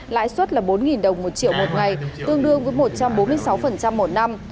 lãi suất là bốn đồng một triệu một ngày tương đương với một trăm bốn mươi sáu một năm